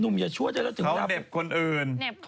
เขาเน็บคนอื่น